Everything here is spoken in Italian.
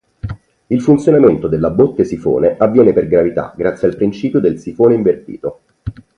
Il funzionamento della botte sifone avviene per gravità grazie al principio del sifone invertito.